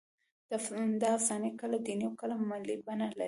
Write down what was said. دا افسانې کله دیني او کله ملي بڼه لري.